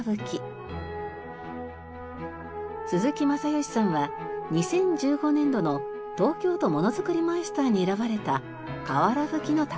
鈴木雅祥さんは２０１５年度の東京都ものづくりマイスターに選ばれたかわらぶきの匠。